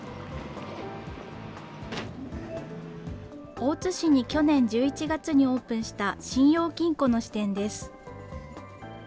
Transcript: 大津市に去年１１月にオープンした信用金庫の支店です。